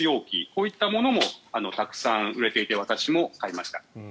こういったものもたくさん売れていて私も買いました。